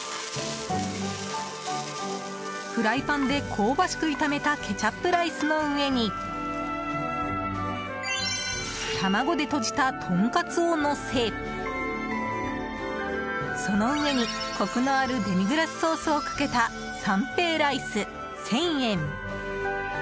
フライパンで香ばしく炒めたケチャップライスの上に卵でとじたトンカツをのせその上に、コクのあるデミグラスソースをかけた三平ライス、１０００円。